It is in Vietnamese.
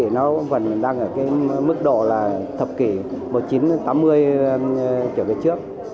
thế vì nó vẫn đang ở cái mức độ là thập kỷ một nghìn chín trăm tám mươi trở về trước